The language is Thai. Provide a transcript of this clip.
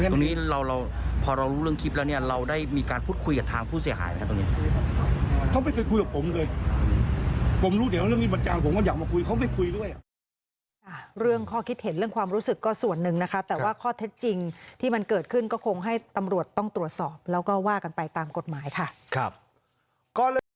เพราะเราพอเรารู้เรื่องคลิปแล้วเนี่ยเราได้มีการพูดคุยกับทางผู้เสียหายตรงนี้เขาไม่เคยคุยกับผมเลยผมรู้เดี๋ยวเรื่องนี้มาจากผมก็อยากมาคุยเขาไม่คุยด้วย